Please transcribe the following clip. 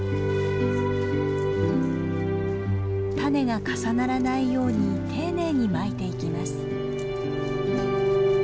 種が重ならないように丁寧にまいていきます。